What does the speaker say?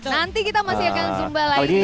nanti kita masih akan sumba lagi